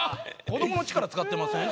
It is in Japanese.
子どもの力使ってません？